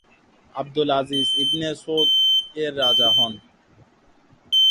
Abdul Aziz ibn Saud এর রাজা হন।